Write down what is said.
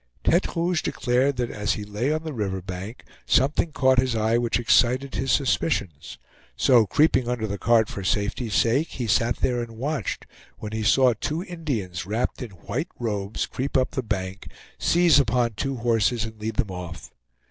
Tete Rouge declared that as he lay on the river bank, something caught his eye which excited his suspicions. So creeping under the cart for safety's sake he sat there and watched, when he saw two Indians, wrapped in white robes, creep up the bank, seize upon two horses and lead them off.